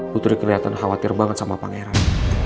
putri kelihatan khawatir banget sama pangeran